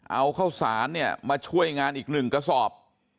เอาข้าวสารเนี่ยมาช่วยงานอีกหนึ่งกระสอบ